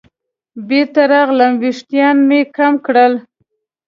بېرته راغلم ویښتان مې کم کړل.